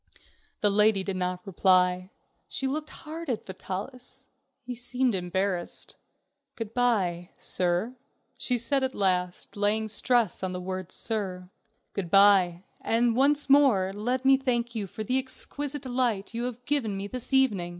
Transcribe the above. The lady did not reply. She looked hard at Vitalis. He seemed embarrassed. "Good by, sir," she said at last, laying a stress on the word "sir." "Good by, and once more let me thank you for the exquisite delight you have given me this evening."